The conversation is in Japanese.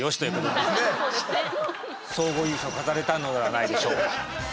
総合優勝飾れたのではないでしょうか。